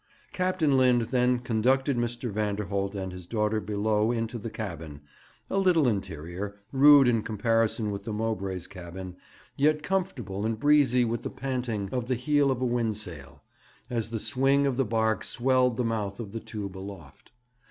Captain Lind then conducted Mr. Vanderholt and his daughter below into the cabin a little interior, rude in comparison with the Mowbray's cabin, yet comfortable and breezy with the panting of the heel of a windsail, as the swing of the barque swelled the mouth of the tube aloft.